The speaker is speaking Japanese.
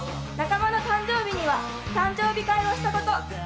仲間の誕生日には誕生日会をしたこと。